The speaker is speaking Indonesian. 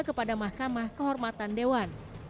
kepada mahkamah kehormatan dewan